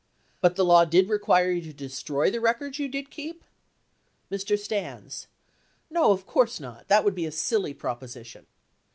But the law did not require you to destroy the records you did keep ? Mr. Stans. No, of course not. That would be a silly propo sition.